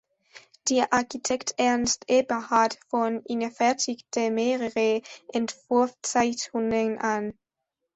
Der Architekt Ernst Eberhard von Ihne fertigte mehrere Entwurfszeichnungen an.